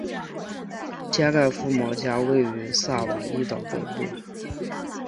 加盖福毛加位于萨瓦伊岛北部。